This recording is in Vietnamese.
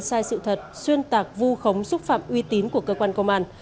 sai sự thật xuyên tạc vu khống xúc phạm uy tín của cơ quan công an